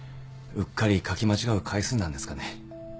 うっかり書き間違う回数なんですかね？